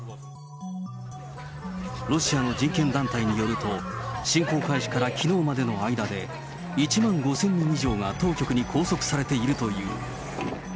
ロシアの人権団体によると、侵攻開始からきのうまでの間で、１万５０００人以上が当局に拘束されているという。